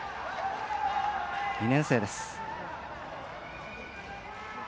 ２年生です。